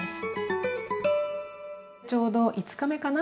ちょうど５日目かな。